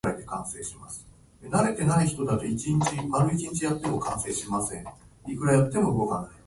君に腕いっぱいの花束を贈ろう